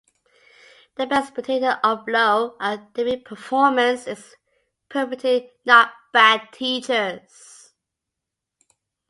The best predictor of low academic performance is poverty-not bad teachers.